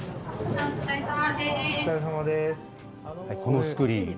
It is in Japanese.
このスクリーン。